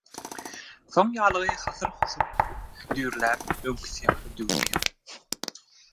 Soň ýaglygy hasyr-husur düýrläp, öňküsi ýaly düwdi.